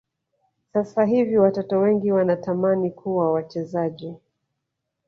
sasa hivi watoto wengi wanatamani kuwa wachezaji